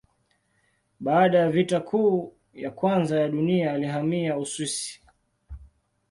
Baada ya Vita Kuu ya Kwanza ya Dunia alihamia Uswisi.